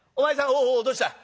「おおおおどうした？